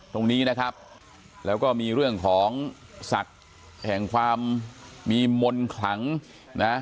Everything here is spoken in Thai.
ตรงนี้นะครับแล้วก็มีเรื่องของศักดิ์แห่งความมีมนต์ขลังนะ